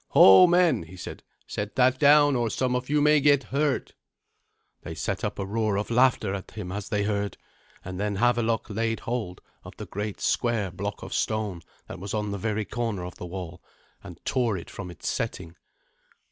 "Ho, men," he cried; "set that down, or some of you may get hurt." They set up a roar of laughter at him as they heard, and then Havelok laid hold of the great square block of stone that was on the very corner of the wall, and tore it from its setting.